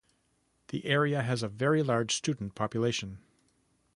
The area has a very large student population.